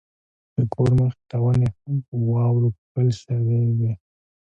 د کور مخې ته ونې هم په واورو پوښل شوې وې.